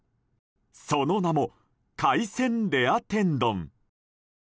その名も海鮮レア天丼。